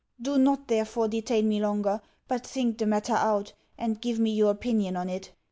Do not, therefore, detain me longer, but think the matter out, and give me your opinion on it.